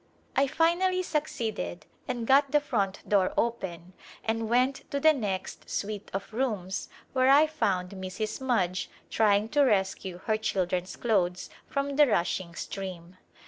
I finally succeeded and got the front door open and went to the next suite of rooms where I found Mrs. Mudge trying to rescue her children's clothes from the rushing stream.